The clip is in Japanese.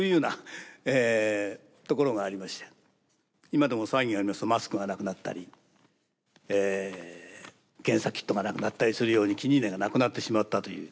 今でも騒ぎがありますとマスクがなくなったり検査キットがなくなったりするようにキニーネがなくなってしまったという。